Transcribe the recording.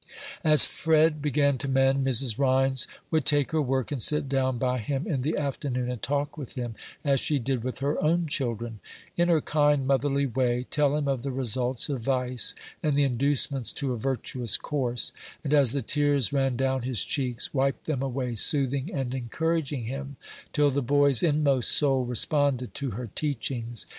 As Fred began to mend, Mrs. Rhines would take her work and sit down by him in the afternoon, and talk with him as she did with her own children; in her kind, motherly way, tell him of the results of vice, and the inducements to a virtuous course; and, as the tears ran down his cheeks, wiped them away, soothing and encouraging him, till the boy's inmost soul responded to her teachings.